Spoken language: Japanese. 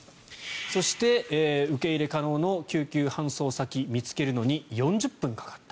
そして受け入れ可能の救急搬送先見つけるのに４０分かかった。